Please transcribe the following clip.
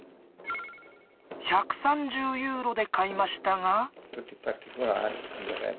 １３０ユーロで買いましたが。